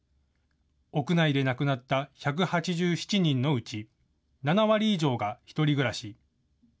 屋内で亡くなった１８７人のうち、７割以上が１人暮らし。